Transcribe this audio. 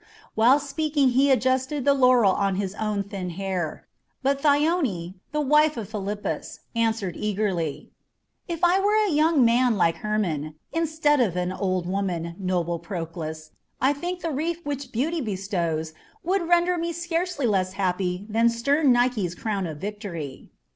While speaking he adjusted the laurel on his own thin hair; but Thyone, the wife of Philippus, answered eagerly: "If I were a young man like Hermon, instead of an old woman, noble Proclus, I think the wreath which Beauty bestows would render me scarcely less happy than stern Nike's crown of victory."